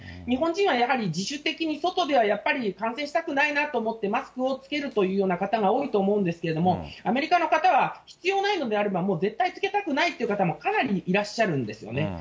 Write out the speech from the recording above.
日本人はやはり、自主的に外ではやっぱり感染したくないなと思って、マスクを着けるというような方が多いと思うんですけれども、アメリカの方は必要ないのであれば、もう絶対着けたくないという方もかなりいらっしゃるんですよね。